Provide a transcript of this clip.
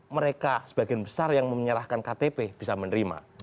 mereka sebagian besar yang menyerahkan ktp bisa menerima